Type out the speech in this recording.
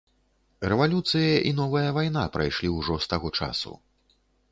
Рэвалюцыя і новая вайна прайшлі ўжо з таго часу.